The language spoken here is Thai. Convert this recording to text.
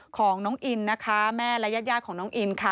ของน้องอินนะคะแม่และญาติของน้องอินค่ะ